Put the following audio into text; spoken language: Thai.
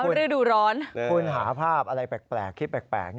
ช้าวันฤดูร้อนดีคุณคุณหาภาพอะไรแปลกคลิปแปลก